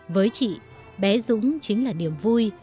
với chị bé dũng chính là niềm vui